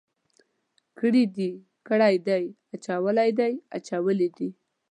کړي دي، کړی دی، اچولی دی، اچولي دي.